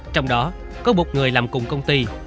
trong đó có một người làm cùng công ty